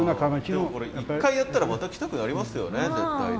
でもこれ１回やったらまた来たくなりますよね絶対ね。